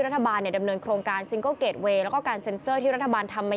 รัฐบาลเนี่ยดำเนินโครงการแล้วก็การเซ็นเซอร์ที่รัฐบาลทำมา